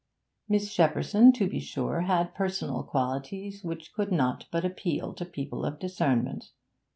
Miss Shepperson, to be sure, had personal qualities which could not but appeal to people of discernment.